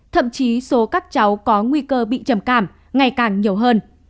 thậm chí số các cháu có nguy cơ bị trầm cảm ngày càng nhiều hơn